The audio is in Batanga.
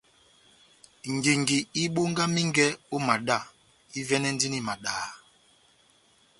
Ngingi ibongamingɛ ó madá, ivɛ́nɛndini madaha.